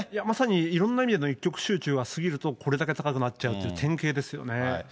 まさにいろんな意味での一極集中が過ぎるとこれだけ高くなっちゃうっていう典型ですよね。